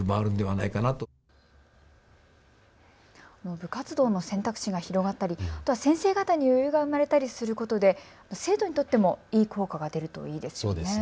部活動の選択肢が広がったり、あとは先生方に余裕が生まれたりすることで生徒にとってもいい効果が出るといいですね。